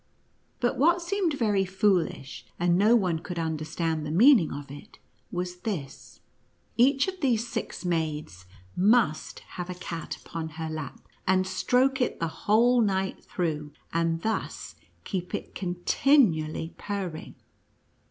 But what seemed very foolish, and no one could understand the meaning of it, was this ; each of these six maids must have a cat upon her lap, and stroke it the whole night through, and thus keep it continually purring.